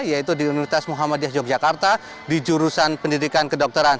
yaitu di universitas muhammadiyah yogyakarta di jurusan pendidikan kedokteran